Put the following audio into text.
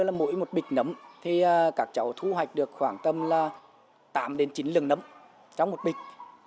là mỗi một bịch nấm thì các cháu thu hoạch được khoảng tầm là tám đến chín lừng nấm trong một bịch